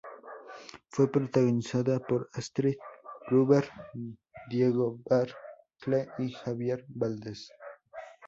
Fue protagonizada por Astrid Gruber, Diego Bertie y Javier Valdes.